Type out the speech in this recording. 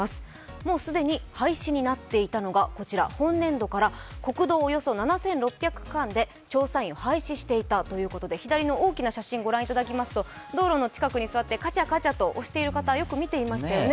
もう既に廃止になっていたのが、こちら、今年度から国道およそ７６００区間で調査員を廃止していたということで左の大きな写真を御覧いただきますと、道路の近くに座ってカチャカチャと押している方よく見ていましたよね。